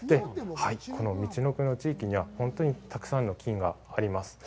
このみちのくの地域には本当にたくさんの金があります。